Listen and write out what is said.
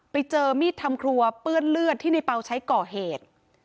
ไปเจอมีดทำครัวเปื้อนเลือดที่ในเปล่าใช้ก่อเหตุ